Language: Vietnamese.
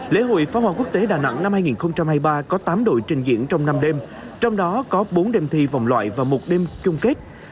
lễ hội pháo hoa quốc tế đà nẵng năm hai nghìn hai mươi ba có tám đội trình diễn trong năm đêm trong đó có bốn đêm thi vòng loại và một đêm chung kết